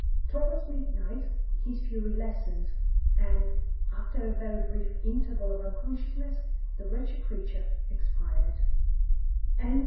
Towards midnight his fury lessened, and, after a very brief interval of unconsciousness, the wretched creature expired."